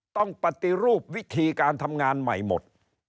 ต้องปฏิรูปวิธีการทำงานใหม่หมด